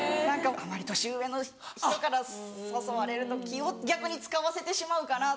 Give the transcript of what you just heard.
あまり年上の人から誘われるの気を逆に使わせてしまうかな。